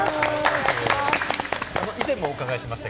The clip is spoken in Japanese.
以前もお伺いしました。